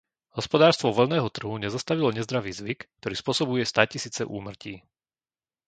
Hospodárstvo voľného trhu nezastavilo nezdravý zvyk, ktorý spôsobuje státisíce úmrtí.